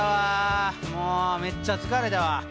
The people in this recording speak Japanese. もうめっちゃ疲れたわ。